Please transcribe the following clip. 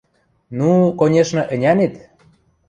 – Ну, конечно, ӹнянет!